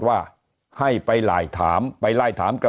หนี้ครัวเรือนก็คือชาวบ้านเราเป็นหนี้มากกว่าทุกยุคที่ผ่านมาครับ